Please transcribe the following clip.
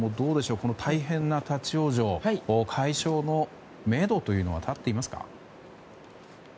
この大変な立ち往生解消のめどというのは立っていますか？